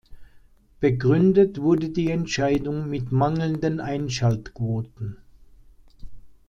Begründet wurde die Entscheidung mit mangelnden Einschaltquoten.